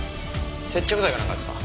接着剤かなんかですか？